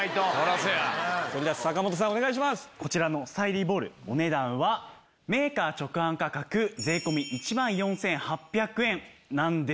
こちらのスタイリーボールお値段はメーカー直販価格税込１万４８００円なんですが。